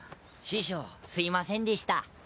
師匠すいませんでした。